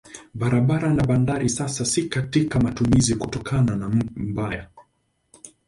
Barabara na bandari sasa si katika matumizi kutokana na mbaya.